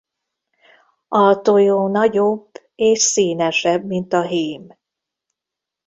A tojó nagyobb és színesebb mint a hím.